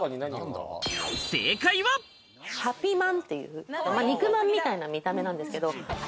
ハピまんっていう、肉まんみたいな見た目なんですけれども。